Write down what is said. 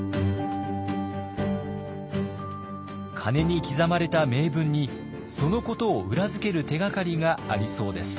鐘に刻まれた銘文にそのことを裏付ける手がかりがありそうです。